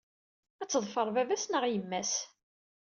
Ad teḍfer baba-s neɣ yemma-s.